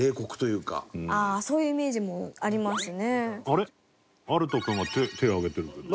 ああそういうイメージもありますね。